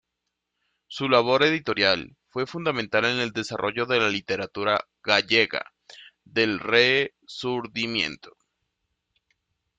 Su labor editorial fue fundamental en el desarrollo de la literatura gallega del Rexurdimento.